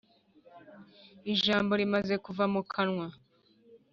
ijambo rimaze kuva mu kanwa,